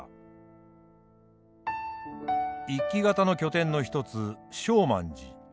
一揆方の拠点の一つ勝鬘寺。